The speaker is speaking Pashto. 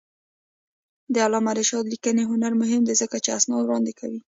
د علامه رشاد لیکنی هنر مهم دی ځکه چې اسناد وړاندې کوي.